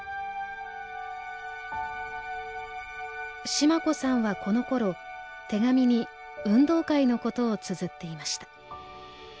シマ子さんはこのころ手紙に運動会のことをつづっていました。